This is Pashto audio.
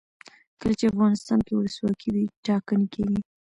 کله چې افغانستان کې ولسواکي وي ټاکنې کیږي.